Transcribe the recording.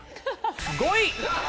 ５位！